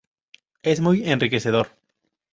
Es muy enriquecedor.